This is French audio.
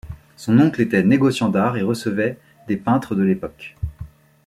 Son oncle était négociant d'art et recevait des peintres de l’époque.